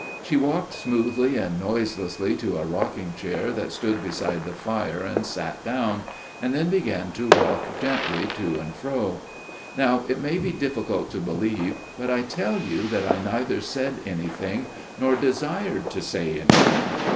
She walked smoothly and noiselessly to a rocking chair that stood beside the fire and sat down, and then began to rock gently to and fro. Now it may be difficult to believe, but I tell you that I neither said anything, nor desired to say anything.